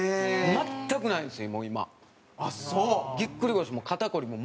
全くないです。